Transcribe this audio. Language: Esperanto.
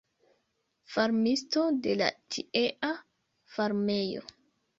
Farmisto de la tiea farmejo.